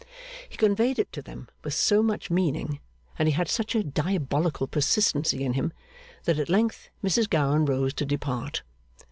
He conveyed it to them with so much meaning, and he had such a diabolical persistency in him, that at length, Mrs Gowan rose to depart.